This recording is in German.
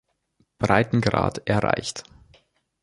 Breitengrad erreicht.